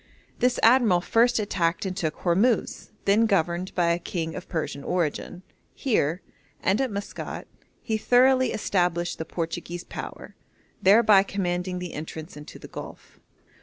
This admiral first attacked and took Hormuz, then governed by a king of Persian origin. Here, and at Maskat, he thoroughly established the Portuguese power, thereby commanding the entrance into the Gulf.